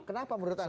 kenapa menurut anda